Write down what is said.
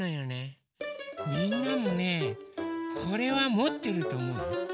みんなもねこれはもってるとおもうよ。